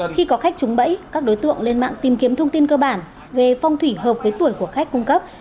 khi có khách trúng bẫy các đối tượng lên mạng tìm kiếm thông tin cơ bản về phong thủy hợp với tuổi của khách cung cấp